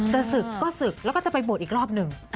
จะศึกก็ศึกแล้วก็จะไปบวชอีกรอบหนึ่ง